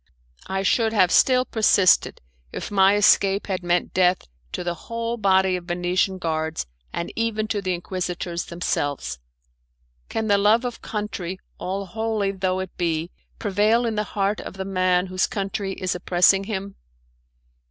I should have still persisted if my escape had meant death to the whole body of Venetian guards, and even to the Inquisitors themselves. Can the love of country, all holy though it be, prevail in the heart of the man whose country is oppressing him?